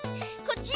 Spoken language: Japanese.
こっち？」